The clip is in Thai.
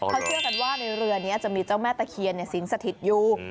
เขาเชื่อกันว่าในเรือนี้จะมีเจ้าแม่ตะเคียนสิงสถิตอยู่